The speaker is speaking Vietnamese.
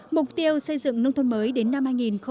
mục tiêu xây dựng nông thôn mới đến năm hai nghìn hai mươi